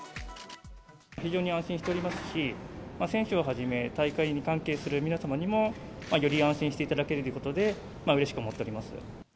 非常に安心しておりますし、選手をはじめ、大会に関係する皆様にも、より安心していただけるということで、うれしく思っております。